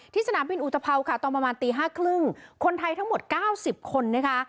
สนามบินอุตภัวค่ะตอนประมาณตี๕๓๐คนไทยทั้งหมด๙๐คนนะคะ